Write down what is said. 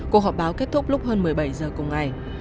cuộc họp báo kết thúc lúc hơn một mươi bảy giờ cùng ngày